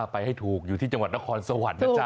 ไปให้ถูกอยู่ที่จังหวัดนครสวรรค์นะจ๊